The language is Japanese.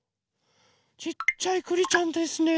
ちっちゃいくりちゃんですね。